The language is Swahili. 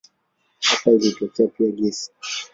Hapa ilitokea pia gesi.